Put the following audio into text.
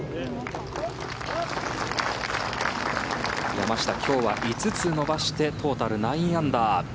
山下、今日は５つ伸ばしてトータル９アンダー。